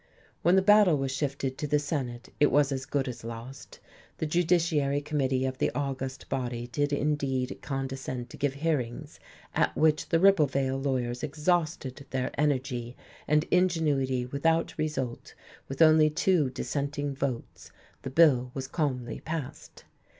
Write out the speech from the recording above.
When the battle was shifted to the Senate it was as good as lost. The Judiciary Committee of the august body did indeed condescend to give hearings, at which the Ribblevale lawyers exhausted their energy and ingenuity without result with only two dissenting votes the bill was calmly passed.